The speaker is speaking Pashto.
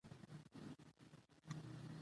موږ ته له ماشومتوبه دروغ ويل شوي دي.